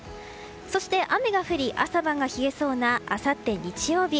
そして雨が降り朝晩が冷えそうなあさって日曜日